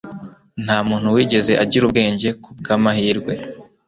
nta muntu wigeze agira ubwenge ku bw'amahirwe